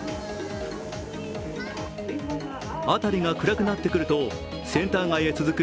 辺りが暗くなってくると、センター街へ続く